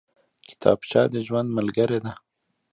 کتابچه د ژوند ملګرې ده